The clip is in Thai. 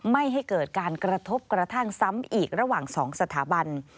ไม่ให้เกิดการกระทบกระทั่งซ้ำอีกระหว่าง๒สถาบัน